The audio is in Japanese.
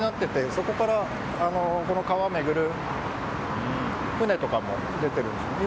そこからこの川を巡る船とかも出てるんです。